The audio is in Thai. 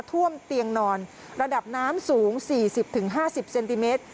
ท่วมเตียงนอนระดับน้ำสูงสี่สิบถึงห้าสิบเซนติเมตร